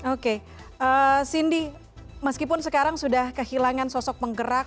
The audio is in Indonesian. oke cindy meskipun sekarang sudah kehilangan sosok penggerak